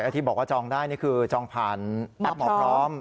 ที่บอกว่าจองได้นี่คือจองผ่านแอปหมอพร้อม